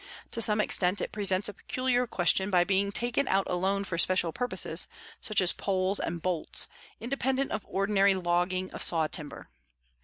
To some extent it presents a peculiar question by being taken out alone for special purposes, such as poles and bolts, independent of ordinary logging of sawtimber.